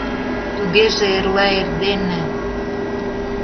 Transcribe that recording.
— Тугеже эрла эрдене...